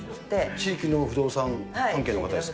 地域の不動産関係の方ですか。